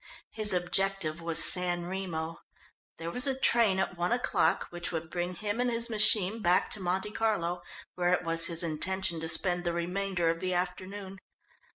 His objective was San Remo. There was a train at one o'clock which would bring him and his machine back to Monte Carlo, where it was his intention to spend the remainder of the afternoon.